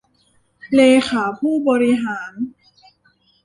เลขาผู้บริหาร